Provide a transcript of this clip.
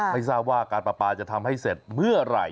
ไม่ทราบว่าการปลาปลาจะทำให้เสร็จเมื่อไหร่